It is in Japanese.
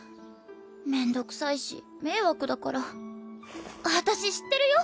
めんどくさいし迷惑だから私知ってるよ